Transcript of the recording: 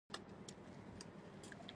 دا د کارکوونکو د دندو حدود ټاکي.